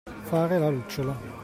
Fare la lucciola.